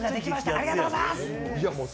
ありがとうございます！